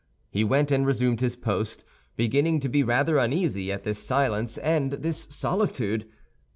He went and resumed his post, beginning to be rather uneasy at this silence and this solitude.